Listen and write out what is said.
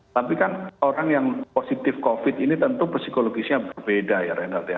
tapi kan orang yang positif covid ini tentu psikologisnya berbeda ya renard ya